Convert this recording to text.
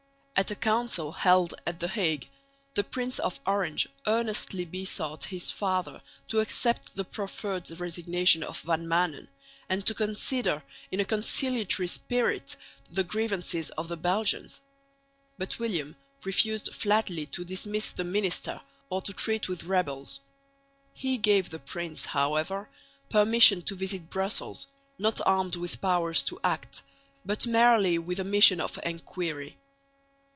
At a Council held at the Hague the Prince of Orange earnestly besought his father to accept the proffered resignation of Van Maanen, and to consider in a conciliatory spirit the grievances of the Belgians. But William refused flatly to dismiss the minister or to treat with rebels. He gave the prince, however, permission to visit Brussels, not armed with powers to act, but merely with a mission of enquiry.